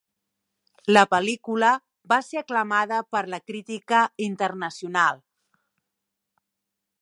La pel·lícula va ser aclamada per la crítica internacional.